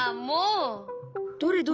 どれどれ。